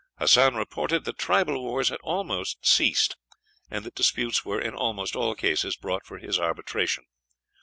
Hassan reported that tribal wars had almost ceased, and that disputes were in almost all cases brought for his arbitration.